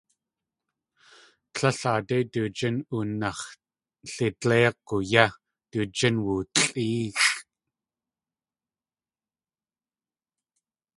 Tlél aadé du jín oonax̲lidléigu yé, du jín woolʼéexʼ.